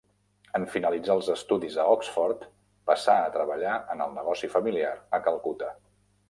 En finalitzar els estudis a Oxford passà a treballar en el negoci familiar a Calcuta.